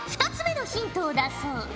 ２つ目のヒントを出そう。